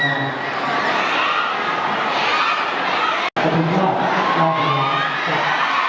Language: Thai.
สวัสดีครับ